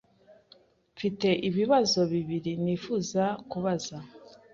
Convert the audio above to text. Mfite ibibazo bibiri nifuza kubaza.